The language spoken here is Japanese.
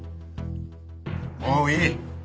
もういい。